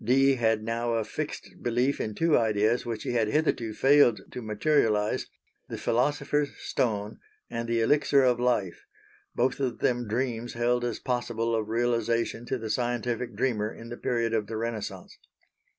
Dee had now a fixed belief in two ideas which he had hitherto failed to materialise the Philosopher's Stone and the Elixir of Life, both of them dreams held as possible of realisation to the scientific dreamer in the period of the Renaissance.